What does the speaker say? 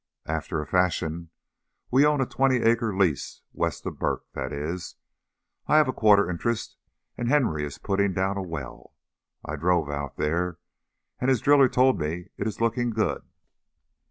"After a fashion. We own a twenty acre lease west of 'Burk' that is, I have a quarter interest and Henry is putting down a well. I drove out there, and his driller told me it is looking good."